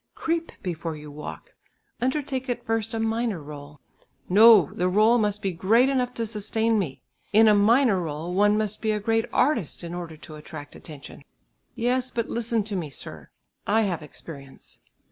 Creep before you walk. Undertake at first a minor rôle." "No, the rôle must be great enough to sustain me. In a minor rôle one must be a great artist in order to attract attention." "Yes, but listen to me, sir; I have experience."